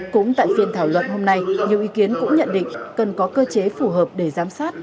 cũng tại phiên thảo luận hôm nay nhiều ý kiến cũng nhận định cần có cơ chế phù hợp để giám sát